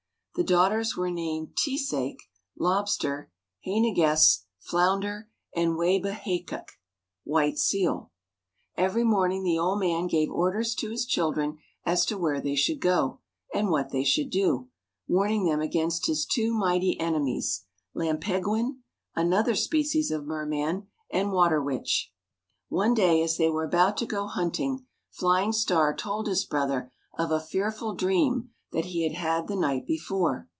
The daughters were named "T'sāk," Lobster, "Hānāguess," Flounder, and "Wābè hākeq'," White Seal. Every morning the old man gave orders to his children as to where they should go, and what they should do, warning them against his two mighty enemies, "Lampeguen," another species of Merman, and Water Witch. One day as they were about to go hunting, Flying Star told his brother of a fearful dream that he had had the night before.